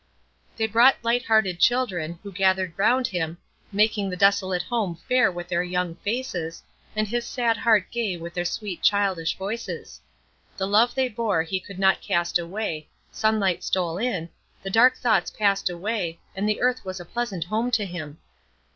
They brought light hearted children, who gathered round him, making the desolate home fair with their young faces, and his sad heart gay with their sweet, childish voices. The love they bore he could not cast away, sunlight stole in, the dark thoughts passed away, and the earth was a pleasant home to him.